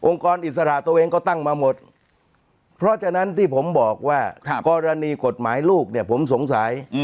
กรอิสระตัวเองก็ตั้งมาหมดเพราะฉะนั้นที่ผมบอกว่ากรณีกฎหมายลูกเนี่ยผมสงสัย